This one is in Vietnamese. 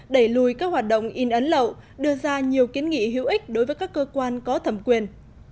đẩy lùi các hoạt động in ấn lậu đưa ra nhiều kiến nghị hữu ích đối với các cơ quan có thẩm quyền